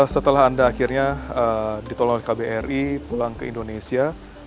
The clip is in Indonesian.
setelah anda akhirnya ditolong oleh kbri pulang ke indonesia